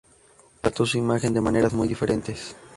Trató su imagen de maneras muy diferentes.